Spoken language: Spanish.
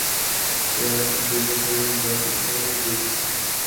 Se han construido seis bases Halley desde su inicio.